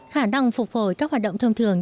khả năng phục hồi các hoạt động thông thường